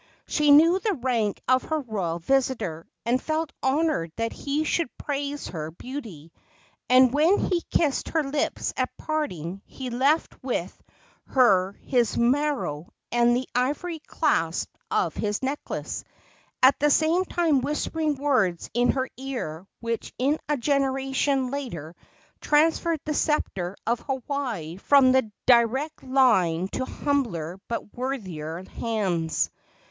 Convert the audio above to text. She knew the rank of her royal visitor, and felt honored that he should praise her beauty; and when he kissed her lips at parting he left with her his maro and the ivory clasp of his necklace, at the same time whispering words in her ear which in a generation later transferred the sceptre of Hawaii from the direct line to humbler but worthier hands.